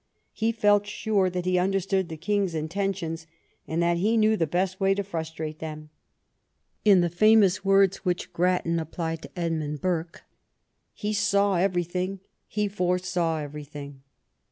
He felt sure that he understood the King's intentions, and that he knew the best way to frustrate them. In the famous words which Grattan applied to Edmund Burke, " He saw everything — he foresaw everything."